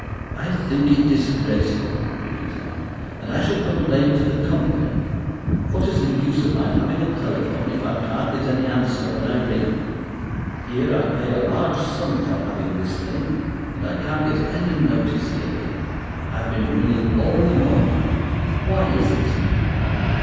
"I think it disgraceful," you continue, "and I shall complain to the Company. What is the use of my having a telephone if I can't get any answer when I ring? Here I pay a large sum for having this thing, and I can't get any notice taken. I've been ringing all the morning. Why is it?"